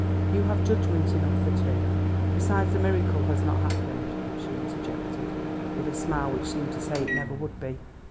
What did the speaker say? "You have judgment enough for two. Besides the miracle has not happened," she interjected, with a smile which seemed to say it never would be.